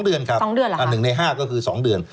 เดือนครับ๑ใน๕ก็คือ๒เดือน